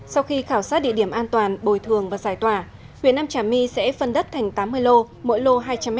sau khi khảo sát địa điểm an toàn bồi thường và giải tỏa huyện nam trà my sẽ phân đất thành tám mươi lô mỗi lô hai trăm linh m hai